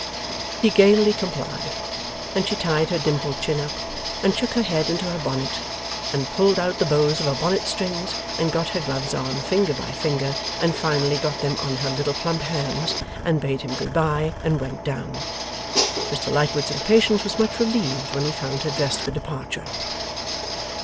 He gaily complied, and she tied her dimpled chin up, and shook her head into her bonnet, and pulled out the bows of her bonnet strings, and got her gloves on, finger by finger, and finally got them on her little plump hands, and bade him good bye and went down. Mr Lightwood's impatience was much relieved when he found her dressed for departure.